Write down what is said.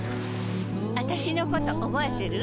あたしのこと覚えてる？